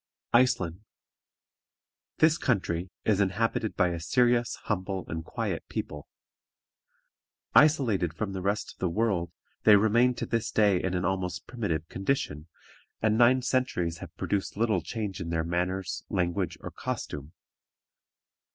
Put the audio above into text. ICELAND. This country is inhabited by a serious, humble, and quiet people. Isolated from the rest of the world, they remain to this day in an almost primitive condition, and nine centuries have produced little change in their manners, language, or costume.